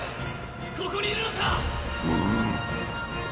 ここにいるのか⁉ドゥ？